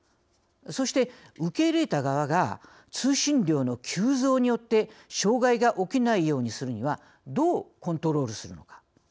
そして、受け入れた側が通信量の急増によって障害が起きないようにするにはどうコントロールするのか。